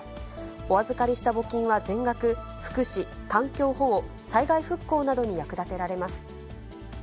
お預かりした募金は全額、福祉、環境保護、災害復興などに役立てられます。